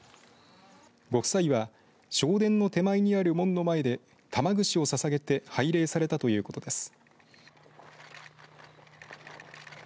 ご夫妻は正殿の手前にある門の前で玉串をささげて拝礼されたということです。